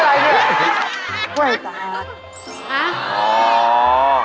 กล้วยตาก